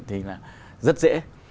thì là rất dễ